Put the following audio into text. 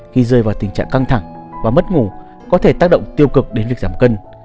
khi rơi vào tình trạng căng thẳng và mất ngủ có thể tác động tiêu cực đến việc giảm cân